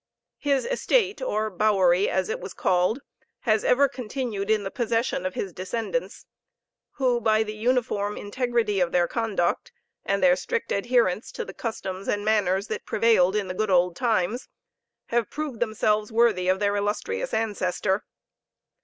His estate, or bowery, as it was called, has ever continued in the possession of his descendants, who, by the uniform integrity of their conduct, and their strict adherence to the customs and manners that prevailed in the "good old times," have proved themselves worthy of their illustrious ancestor.